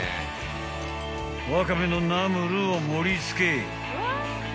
［ワカメのナムルを盛り付け］